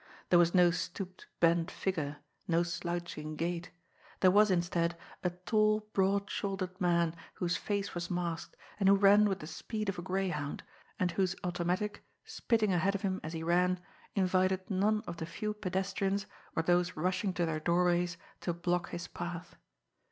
There was no stooped, bent figure, no slouching gait there was, instead, a tall, broad shouldered man, whose face was masked, and who ran with the speed of a greyhound, and whose automatic, spitting ahead of him as he ran, invited none of the few pedestrians, or those rushing to their doorways, to block his path.